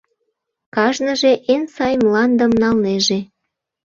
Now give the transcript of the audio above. Кажныже эн сай мландым налнеже.